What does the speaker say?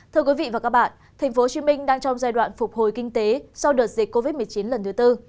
thưa quý vị và các bạn tp hcm đang trong giai đoạn phục hồi kinh tế sau đợt dịch covid một mươi chín lần thứ tư